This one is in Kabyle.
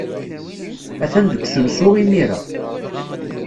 Atan deg usensu imir-a.